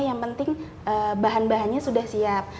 yang penting bahan bahannya sudah siap